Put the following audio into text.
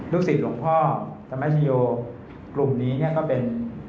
ศิษย์หลวงพ่อธรรมชโยกลุ่มนี้เนี่ยก็เป็น